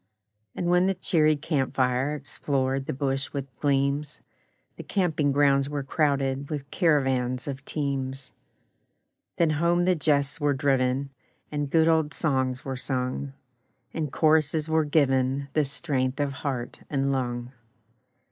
And when the cheery camp fire Explored the bush with gleams, The camping grounds were crowded With caravans of teams; Then home the jests were driven, And good old songs were sung, And choruses were given The strength of heart and lung.